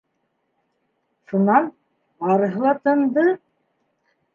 Шунан барыһы ла тынды.